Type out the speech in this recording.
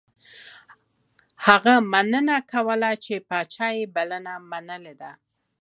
هغه مننه کوله چې پاچا یې بلنه منلې ده.